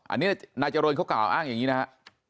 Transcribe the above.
อันนี้นายเจริญเขากล่าวอ้างอย่างนี้นะฮะ